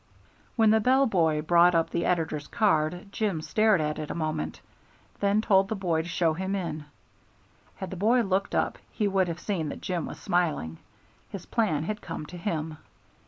When the bell boy brought up the editor's card Jim stared at it a moment, then told the boy to show him in. Had the boy looked up he would have seen that Jim was smiling. His plan had come to him.